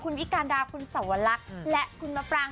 คุณวิการดาคุณสวรรคและคุณมะปราง